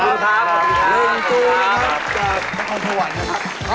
เรียนจูห์จากผู้ชมพะหวัดนะครับ